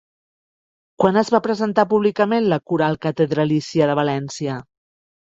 Quan es va presentar públicament la Coral Catedralícia de València?